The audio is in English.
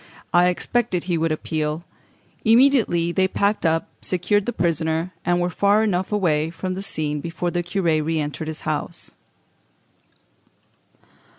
I expected he would appeal." Immediately they packed up, secured the prisoner, and were far enough away from the scene before the curé re entered his house.